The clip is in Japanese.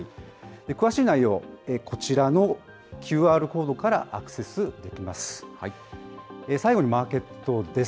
詳しい内容、こちらのＱＲコードからアクセスできます。